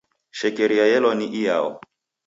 Shekeria yelwa ni iyao?